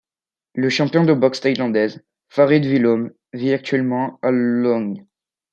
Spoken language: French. Le champion de boxe thaïlandaise, Farid Villaume vit actuellement à Lognes.